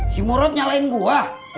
si murad nyalahin gua